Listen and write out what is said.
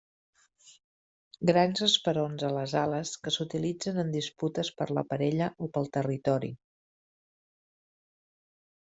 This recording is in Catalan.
Grans esperons a les ales que s'utilitzen en disputes per la parella o pel territori.